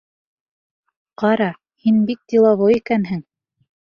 Ҡара, һин бик деловой икәнһең.